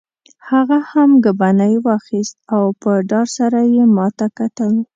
هغه هم ګبڼۍ واخیست او په ډار سره یې ما ته کتل.